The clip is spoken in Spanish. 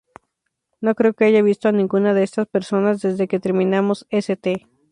No creo que haya visto a ninguna de estas personas desde que terminamos "St.